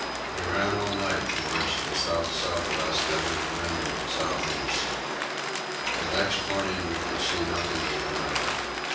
We ran all night towards the south south west having the wind at south east. The next morning we could see nothing of the land.